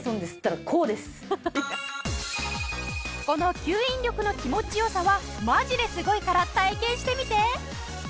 この吸引力の気持ち良さはマジですごいから体験してみて。